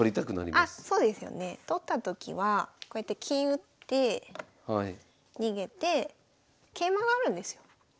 あそうですよね。取ったときはこうやって金打って逃げて桂馬があるんですよ。